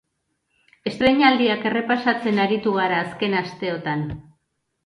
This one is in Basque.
Estreinaldiak errepasatzen aritu gara azken asteotan.